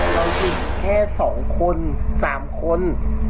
เราอยู่กันแค่สองคนสามคน